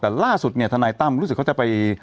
แต่ล่าสุดเนี่ยทนายตั้มรู้สึกเขาจะไป